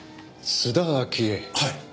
はい。